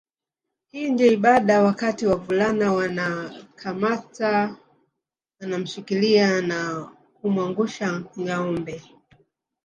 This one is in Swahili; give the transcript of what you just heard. Hii ndio ibada wakati wavulana wanakamata wanamshikilia na kumwangusha ngâombe